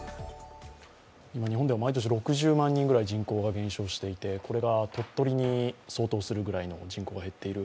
日本では毎年６０万人ぐらい人口が減少していてこれが鳥取に相当するくらいの人口が減っている。